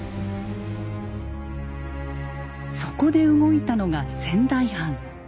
そこで動いたのが仙台藩。